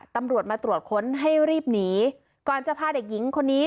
ตำรวจมาตรวจค้นให้รีบหนีก่อนจะพาเด็กหญิงคนนี้